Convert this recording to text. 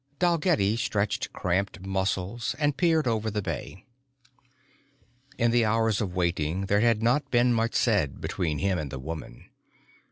Dalgetty stretched cramped muscles and peered over the bay. In the hours of waiting there had not been much said between him and the woman.